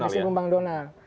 iya di sisi gumbang donal